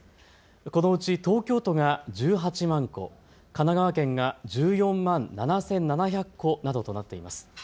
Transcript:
このうち東京都が１８万戸、神奈川県が１４万７７００戸などとなっています。